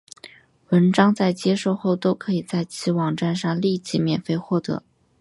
文章在接受后都可以在其网站上立即免费获得。